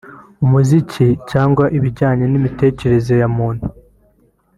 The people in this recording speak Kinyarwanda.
umuziki cyangwa ibijyanye n’imitekerereze ya muntu